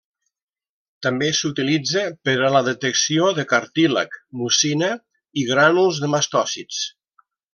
També s'utilitza per a la detecció de cartílag, mucina i grànuls de mastòcits.